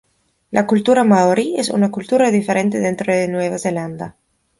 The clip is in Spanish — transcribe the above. La cultura maorí es una cultura diferente dentro de Nueva Zelanda.